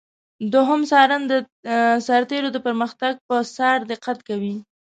دوهم څارن د سرتیرو د پرمختګ پر څار دقت کوي.